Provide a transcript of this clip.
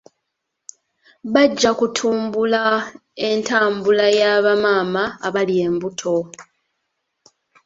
Bajja kutumbula entambula ya bamaama abali embuto.